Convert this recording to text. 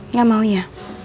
nggak mau ya